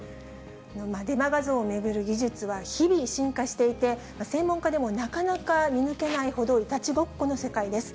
デマ画像を巡る技術は日々進化していて、専門家でもなかなか見抜けないほどいたちごっこの世界です。